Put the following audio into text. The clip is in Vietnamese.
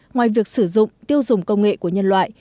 ngoài việc sử dụng tiêu dùng công nghệ của nhân loại